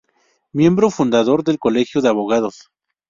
Miembro fundador del Colegio de Abogados.